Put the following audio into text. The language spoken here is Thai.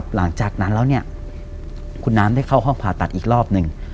หลังจากนั้นแล้วเนี่ยคุณน้ำได้เข้าห้องผ่าตัดอีกรอบหนึ่ง